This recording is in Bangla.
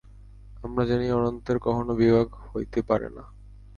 আমরা জানি, অনন্তের কখনও বিভাগ হইতে পারে না।